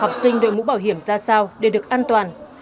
học sinh đội mũ bảo hiểm ra sao để được an toàn